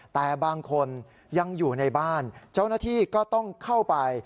แต่บางคนยังอยู่ในบ้านเจ้าหน้าที่ก็ต้องเข้าไป